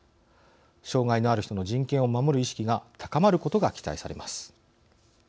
障害のある人の人権を守る意識が高まることが期待されます。